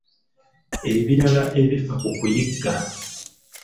Ebirala ebifa ku kuyigga.